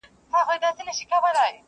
نه ماتېږي مي هیڅ تنده بېله جامه,